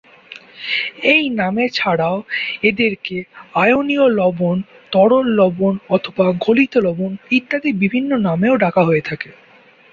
এই নামে ছাড়াও এদেরকে আয়নীয় লবণ, তরল লবণ, অথবা গলিত লবণ ইত্যাদি বিভিন্ন নামেও ডাকা হয়ে থাকে।